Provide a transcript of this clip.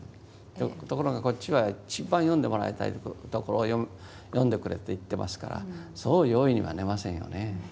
ところがこっちは一番読んでもらいたいところを読んでくれと言ってますからそう容易には寝ませんよね。